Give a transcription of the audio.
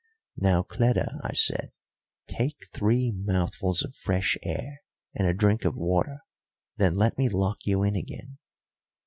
"Now, Cleta," I said, "take three mouthfuls of fresh air and a drink of water, then let me lock you in again."